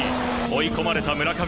追い込まれた村上。